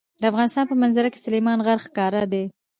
د افغانستان په منظره کې سلیمان غر ښکاره ده.